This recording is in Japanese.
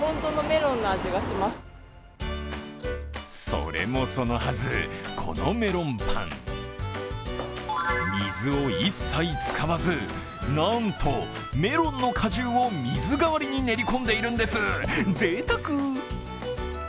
それもそのはず、このメロンパン水を一切使わずなんとメロンの果汁を水代わりに練り込んでいるんです。ぜいたく。